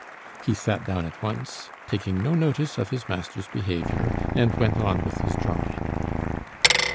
He sat down at once, taking no notice of his master's behaviour, and went on with his drawing.